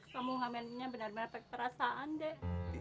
kamu ngamennya bener bener baik perasaan deh